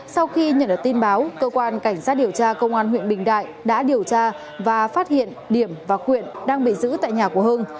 sau khi nhận được tin báo cơ quan cảnh sát điều tra công an huyện bình đại đã điều tra và phát hiện điểm và quyện đang bị giữ tại nhà của hưng